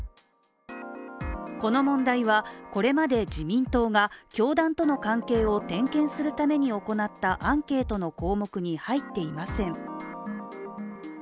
この問題は、これまで自民党が教団との関係を点検するために行ったアンケートの項目に入っていません。